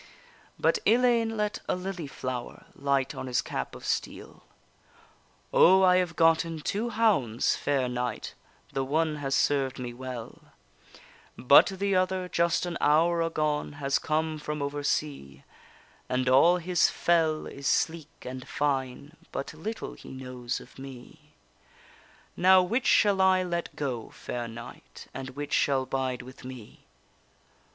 But Ellayne let a lily flower Light on his cap of steel: O, I have gotten two hounds, fair knight, The one has served me well; But the other, just an hour agone, Has come from over sea, And all his fell is sleek and fine, But little he knows of me. Now, which shall I let go, fair knight, And which shall bide with me?